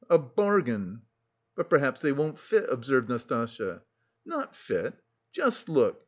A bargain?" "But perhaps they won't fit," observed Nastasya. "Not fit? Just look!"